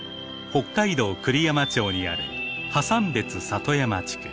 北海道栗山町にあるハサンベツ里山地区。